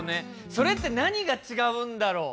それって何が違うんだろう。